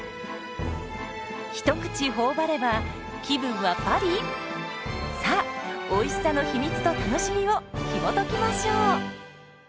一口頬張れば気分はパリ⁉さあおいしさの秘密と楽しみをひもときましょう。